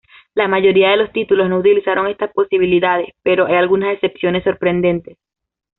La mayoría de los títulos no utilizaron estas posibilidades, pero hay algunas excepciones sorprendentes.